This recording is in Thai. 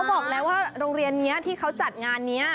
บอกแล้วว่าโรงเรียนนี้ที่เขาจัดงานนี้